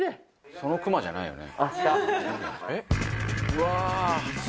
修クマじゃないよね？